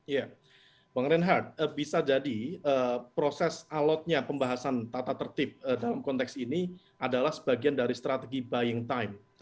ya bang reinhardt bisa jadi proses alotnya pembahasan tata tertib dalam konteks ini adalah sebagian dari strategi buying time